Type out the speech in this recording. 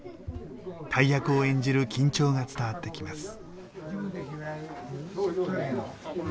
大役を演じる緊張が伝わってきます。